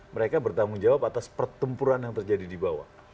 mereka bertanggung jawab atas pertempuran yang terjadi di bawah